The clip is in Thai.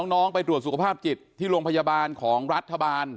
น้องไปตรวจสุขภาพจิตที่โรงพยาบาลของรัฐบาล